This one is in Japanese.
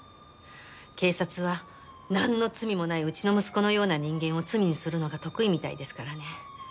警察はなんの罪もないうちの息子のような人間を罪にするのが得意みたいですからね。